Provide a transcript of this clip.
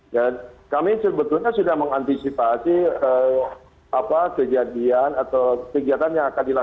dan kami sebetulnya sudah mengantisipasi kejadian atau kegiatan yang akan dilakukan